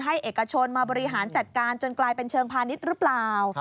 เอกชนมาบริหารจัดการจนกลายเป็นเชิงพาณิชย์หรือเปล่า